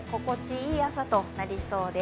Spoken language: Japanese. いい朝となりそうです。